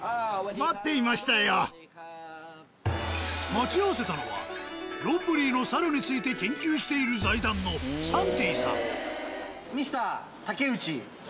待ち合わせたのはロッブリーの猿について研究している財団のサンティさん。